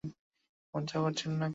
মজা করছেন নাকি?